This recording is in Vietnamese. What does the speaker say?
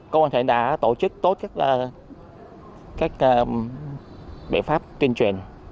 công an huyện đã tổ chức tốt các biện pháp tuyên truyền